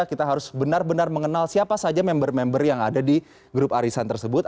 kita harus benar benar mengenal siapa saja member member yang ada di grup arisan tersebut